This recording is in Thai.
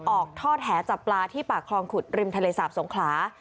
ออกท่อแหจับปลาที่ปากคลองขุดริมทะเลสาบสงขลา